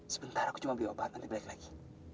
sebentar aku cuma beli obat nanti balik lagi